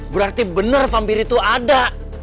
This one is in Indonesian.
berarti benar fambiri itu ada